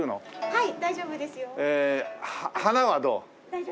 はい。